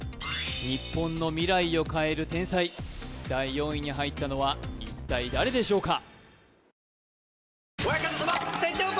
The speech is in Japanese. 日本の未来を変える天才第４位に入ったのは一体誰でしょうか？